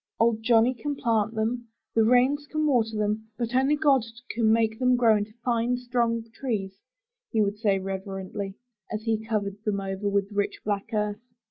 ''Old Johnny can plant them; the rains can water them; but only God can make them grow into fine, strong trees," he would say reverently, as he covered them over with rich black earth.